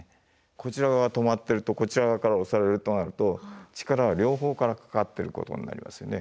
こちら側が止まってるとこちら側から押されるとなると力が両方からかかってることになりますよね。